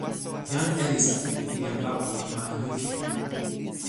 jan Elisape li jan lawa pi ma Juke.